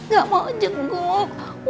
gak mau jenguk